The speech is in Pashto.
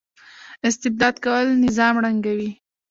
استبداد کول نظام ړنګوي